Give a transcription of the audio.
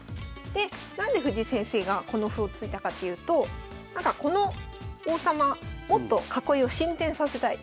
で何で藤井先生がこの歩を突いたかっていうとこの王様もっと囲いを進展させたい。